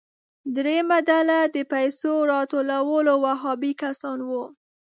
دریمه ډله د پیسو راټولولو وهابي کسان وو.